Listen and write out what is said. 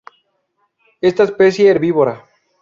Esta especie herbívora.